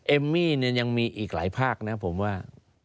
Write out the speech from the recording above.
เอมมี่เนี่ยยังมีอีกหลายภาคนะผมว่า